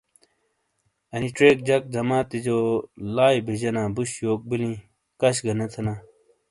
انی چیک جک جماتیجو لائی بیجینا بوش یوک بیلیں کش گہ نے تھینا ۔